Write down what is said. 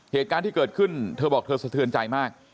เหตุการณ์ที่เกิดขึ้นเธอบอกเธอสะเทือนใจมาก